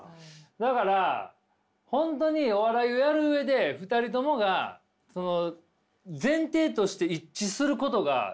だから本当にお笑いをやる上で２人ともが前提として一致することが絶対あった方がいいよね。